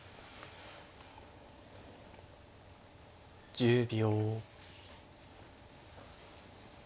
１０秒。